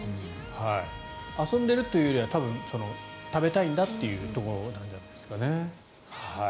遊んでるというよりは多分、食べたいんだというところなんじゃないですかね。